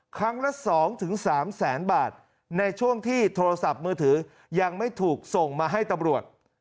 ครั้งละ๒๓แสนบาทในช่วงที่โทรศัพท์มือถือยังไม่ถูกส่งมาให้ตำรวจ